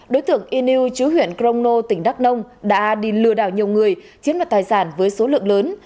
đối tượng inu chứ huyện krono tỉnh đắk nông đã đi lừa đảo nhiều người chiếm mặt tài sản với số lượng lớn